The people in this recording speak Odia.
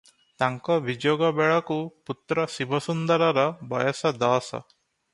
ତାଙ୍କ ବିଯୋଗ ବେଳକୁ ପୁତ୍ର ଶିବସୁନ୍ଦରର ବୟସ ଦଶ ।